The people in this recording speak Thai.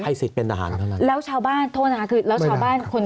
สวัสดีครับทุกคน